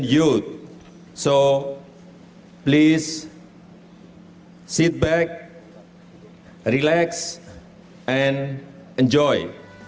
jadi silakan duduk relaks dan menikmati